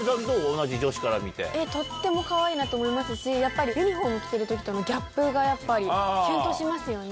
同じ女子から見て。と思いますしやっぱりユニホーム着てる時とのギャップがやっぱりキュンとしますよね。